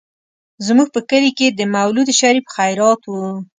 زموږ په کلي کې د مولود شريف خيرات و.